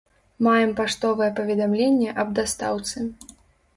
Маем паштовае паведамленне аб дастаўцы.